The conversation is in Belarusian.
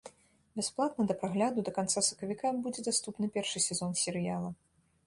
Бясплатна да прагляду да канца сакавіка будзе даступны першы сезон серыяла.